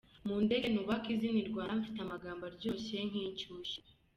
mundeke nubake izina i Rwanda, mfite amagambo aryoshye nk’inshyushyu!’.